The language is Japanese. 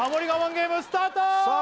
ゲームスタートさあ